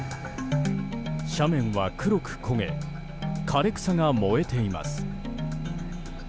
斜面は黒く焦げ枯れ草が燃えています。